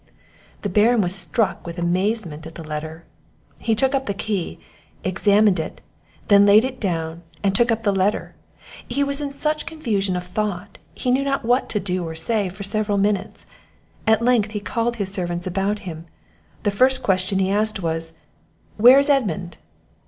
The Baron was struck with amazement at the letter. He took up the key, examined it, then laid it down, and took up the letter; he was in such confusion of thought, he knew not what to do or say for several minutes. At length he called his servants about him; the first question he asked was "Where is Edmund?"